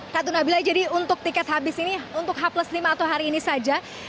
kak tuna bila jadi untuk tiket habis ini untuk h lima atau hari ini saja